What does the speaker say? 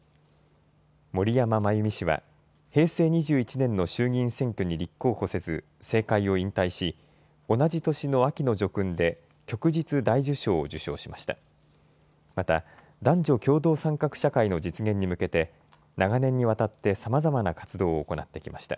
森山眞弓氏は平成２１年の衆議院選挙に立候補せず、政界を引退し、同じ年の秋の叙勲で旭日大綬章を受章しました。